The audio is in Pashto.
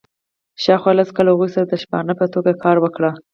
شاوخوا لس کاله هغوی سره د شپانه په توګه کار وکړي.